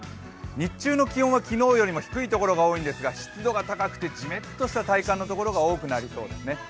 日中の気温は昨日よりも低い所が多いんですが、湿度が高くて、じめっとした体感の所が多くなりそうですね。